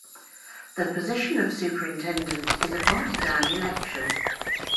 The position of superintendent is a partisan election.